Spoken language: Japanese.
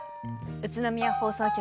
宇都宮放送局